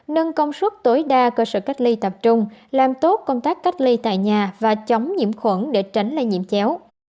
nâng công suất tối đa cơ sở cách ly tập trung làm tốt công tác cách ly tại nhà và chống nhiễm khuẩn để tránh lây nhiễm chéo